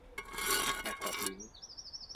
แอร์พอร์ตลิงก์